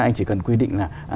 anh chỉ cần quy định là